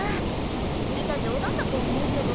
いきすぎた冗談だと思うけど。